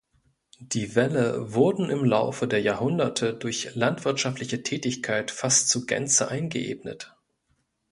Die Wälle wurden im Laufe der Jahrhunderte durch landwirtschaftliche Tätigkeit fast zur Gänze eingeebnet.